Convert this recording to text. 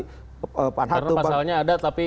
karena pasalnya ada tapi